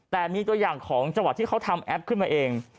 แต่มีตัวอย่างของจังหวัดที่เขาทำแอปขึ้นมาเอง